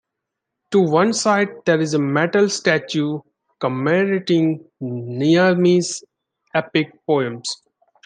To one side, there is a metal statue commemorating Nizami's epic poems.